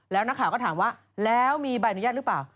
แล้วนักข่าวก็ถามว่าแล้วมีใบอนุญาตหรือเปล่า